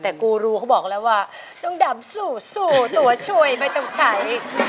พอรู้เค้าบอกแล้วว่าน้องดำสู้สู้ตัวช่วยไม่ต้องใช้